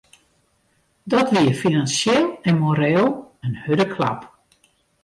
Dat wie finansjeel en moreel in hurde klap.